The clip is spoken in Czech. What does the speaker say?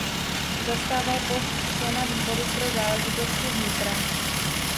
Zastával post člena výboru pro záležitosti vnitra.